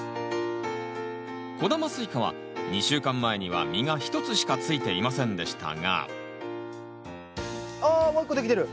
小玉スイカは２週間前には実が１つしかついていませんでしたがあっもう一個できてる！